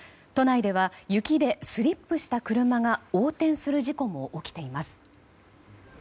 都内では雪でスリップした車が横転する事故も起きています。